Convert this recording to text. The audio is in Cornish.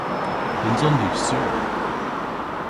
Nyns on ni sur.